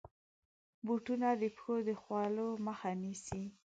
بوټونه د پښو د خولو مخه نیسي.